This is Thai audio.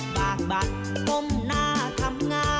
บากบัดปมหน้าทำงาน